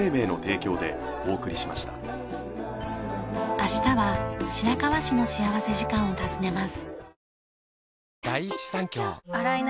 明日は白河市の幸福時間を訪ねます。